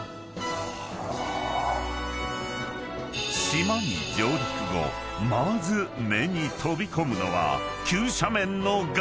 ［島に上陸後まず目に飛び込むのは］